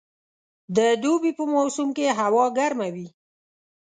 د دوبي په موسم کښي هوا ګرمه وي.